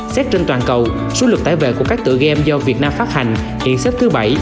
xét trên toàn cầu số lực tải về của các tựa game do việt nam phát hành hiện xếp thứ bảy